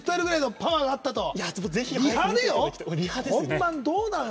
本番、どうなるのよ！